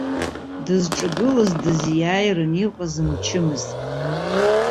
Дызҿагылаз дызиааиран иҟаз мчымызт.